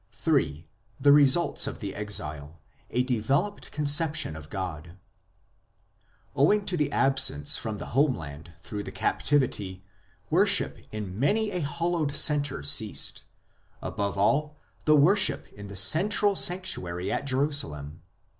III. THE RESULTS OF THE EXILE : A DEVELOPED CONCEPTION or GOD Owing to absence from the home land through the Captivity, worship in many a hallowed centre ceased 1 ; above all, the worship in the central sanctuary at Jerusalem.